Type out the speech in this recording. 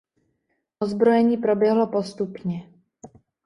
Odzbrojení proběhlo postupně.